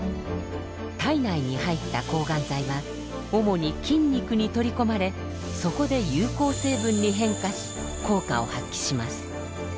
体内に入った抗がん剤は主に筋肉に取り込まれそこで有効成分に変化し効果を発揮します。